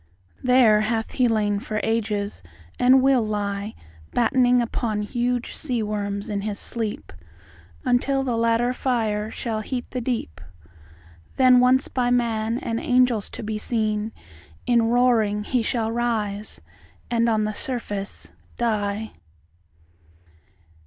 There hath he lain for ages, and will lie Battening upon huge sea worms in his sleep, Until the latter fire shall heat the deep; Then once by man and angels to be seen, In roaring he shall rise and on the surface die.